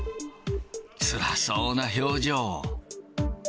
つらそうな表情。